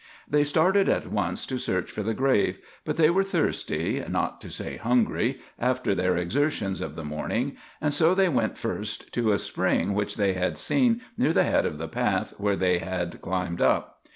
They started at once to search for the grave; but they were thirsty, not to say hungry, after their exertions of the morning, and so they went first to a spring which they had seen near the head of the path where they had climbed up.